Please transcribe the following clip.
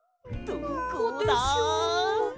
どこでしょう？